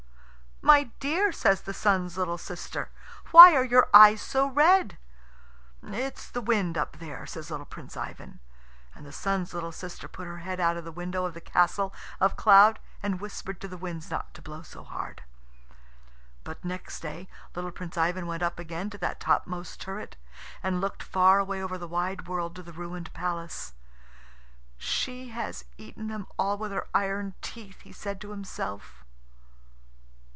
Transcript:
"My dear," says the Sun's little sister, "why are your eyes so red?" "It is the wind up there," says little Prince Ivan. And the Sun's little sister put her head out of the window of the castle of cloud and whispered to the winds not to blow so hard. But next day little Prince Ivan went up again to that topmost turret, and looked far away over the wide world to the ruined palace. "She has eaten them all with her iron teeth," he said to himself.